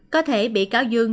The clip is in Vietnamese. có thể bị cáo dương